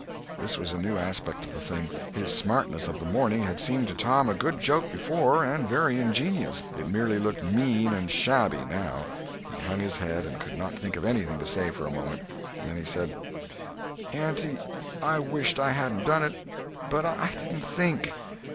This was a new aspect of the thing. His smartness of the morning had seemed to Tom a good joke before, and very ingenious. It merely looked mean and shabby now. He hung his head and could not think of anything to say for a moment. Then he said: "Auntie, I wish I hadn't done it—but I didn't think."